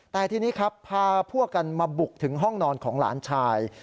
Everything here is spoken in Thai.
แต่ทีนี้ครับพาพวกกันมาบุกถึงห้องนอนของหลานชาย